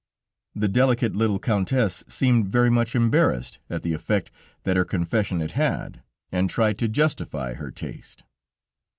The delicate little Countess seemed very much embarrassed at the effect that her confession had had, and tried to justify her taste.